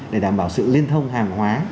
để đảm bảo sự liên thông hàng hóa